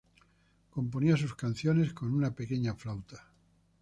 Componía sus canciones con una pequeña flauta.